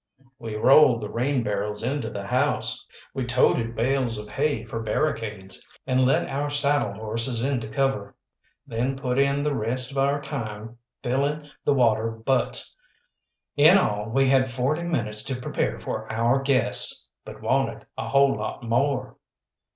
We rolled the rain barrels into the house, we toted bales of hay for barricades, and led our saddle horses into cover; then put in the rest of our time filling the water butts. In all we had forty minutes to prepare for our guests, but wanted a whole lot more.